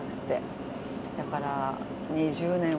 だから。